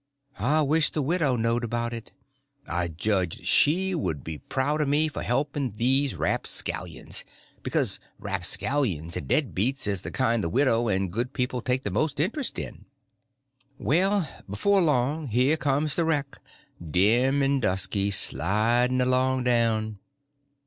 I wished the widow knowed about it. I judged she would be proud of me for helping these rapscallions, because rapscallions and dead beats is the kind the widow and good people takes the most interest in. Well, before long here comes the wreck, dim and dusky, sliding along down!